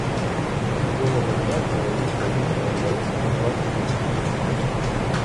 З другого дня чоловік та жінка взялися за працю дужче.